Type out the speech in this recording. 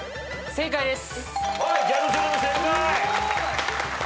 正解です。